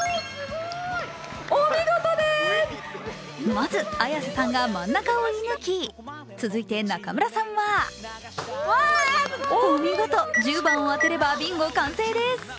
まず綾瀬さんが真ん中を射ぬき続いて、中村さんはお見事、１０番を当てればビンゴ完成です。